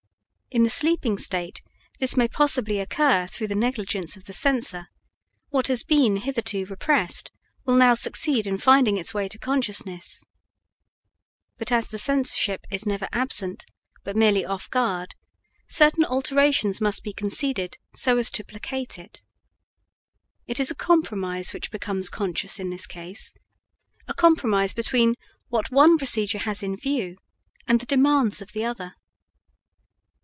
In the sleeping state this may possibly occur through the negligence of the censor; what has been hitherto repressed will now succeed in finding its way to consciousness. But as the censorship is never absent, but merely off guard, certain alterations must be conceded so as to placate it. It is a compromise which becomes conscious in this case a compromise between what one procedure has in view and the demands of the other.